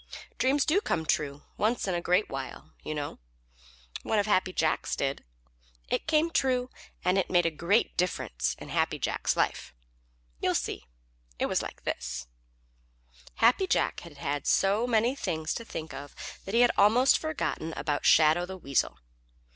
Dreams do come true once in a great while, you know. One of Happy Jack's did. It came true, and it made a great difference in Happy Jack's life. You see, it was like this: Happy Jack had had so many things to think of that he had almost forgotten about Shadow the Weasel.